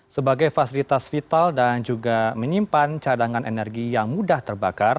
sebagai fasilitas vital dan juga menyimpan cadangan energi yang mudah terbakar